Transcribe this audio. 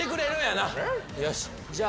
よしじゃあ